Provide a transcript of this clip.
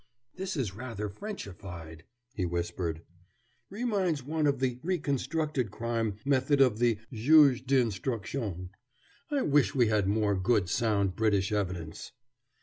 "This is rather Frenchified," he whispered. "Reminds one of the 'reconstructed crime' method of the juge d'instruction. I wish we had more good, sound, British evidence."